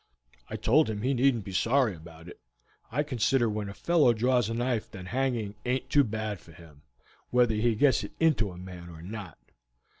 I told him he needn't be sorry about it. I consider when a fellow draws a knife that hanging aint too bad for him, whether he gets it into a man or not."